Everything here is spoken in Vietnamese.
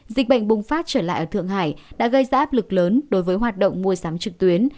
dịch bệnh bùng phát trở lại ở thượng hải đã gây ra áp lực lớn đối với hoạt động mua sắm trực tuyến